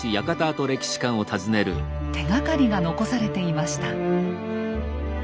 手がかりが残されていました。